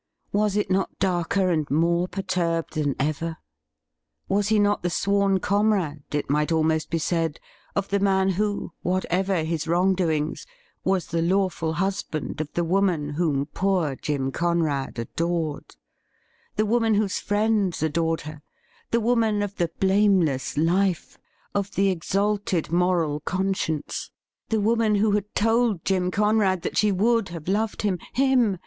Was it not darker and more perturbed than ever ? Was he not the sworn comrade, it might almost be said, of the man who, whatever his wrong doings, was the lawful husband of the woman whom poor Jim Conrad adored ; the woman whose friends adored her ; the woman of the blameless life, of the exalted moral con science ; the woman who had told Jim Conrad that she would have loved him — him